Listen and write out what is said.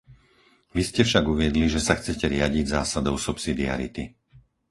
Vy ste však uviedli, že sa chcete riadiť zásadou subsidiarity.